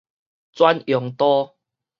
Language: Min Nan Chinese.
專用道